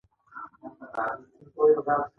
افغانستان په وادي باندې تکیه لري.